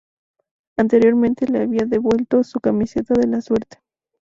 Anteriormente, le había devuelto su camiseta de la suerte.